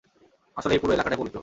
আসলে এই পুরো এলাকাটাই পবিত্র।